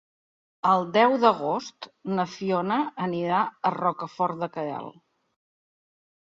El deu d'agost na Fiona anirà a Rocafort de Queralt.